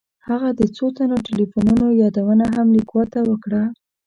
هغه د څو تنو تیلیفونونو یادونه هم لیکوال ته وکړه.